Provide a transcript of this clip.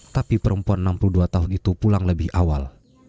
tapi perempuan enam puluh dua tahun itu pulang lebih awal